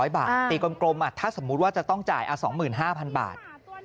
๐บาทตีกลมถ้าสมมุติว่าจะต้องจ่าย๒๕๐๐๐บาท